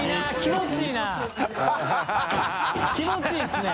気持ちいいですね。